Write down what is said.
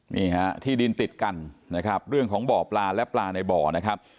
นี่ฮะที่ดินติดกันนะครับเรื่องของบ่อปลาและปลาในบ่อนะครับ